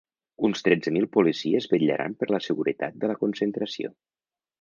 Uns tretze mil policies vetllaran per la seguretat de la concentració.